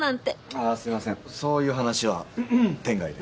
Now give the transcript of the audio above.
あぁすいませんそういう話は店外で。